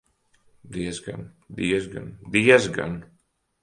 Diezgan, diezgan, diezgan!